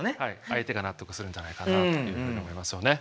相手が納得するんじゃないかなというふうに思いますよね。